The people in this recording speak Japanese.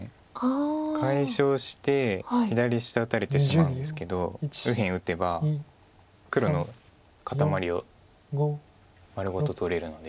解消して左下打たれてしまうんですけど右辺打てば黒の固まりを丸ごと取れるので。